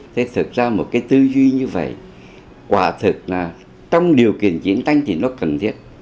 thế thực ra một cái tư duy như vậy quả thực là trong điều kiện chiến tranh thì nó cần thiết